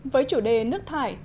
với chủ đề nước thải